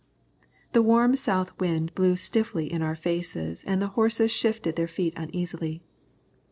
The warm south wind blew stiffly in our faces and the horses shifted their feet uneasily.